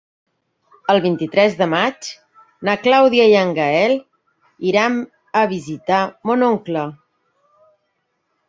El vint-i-tres de maig na Clàudia i en Gaël iran a visitar mon oncle.